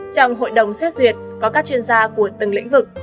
trong hội đồng xét duyệt có các chuyên gia của từng lĩnh vực